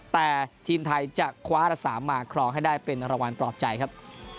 แต่ทีมไทยจะคว้าละ๓มาครองให้ได้เป็นรางวัลปลอบใจครับ